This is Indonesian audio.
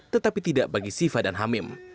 tetapi tidak bagi siva dan hamim